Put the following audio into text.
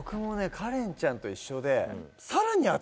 カレンちゃんと一緒で。